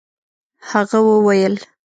هغه وويل.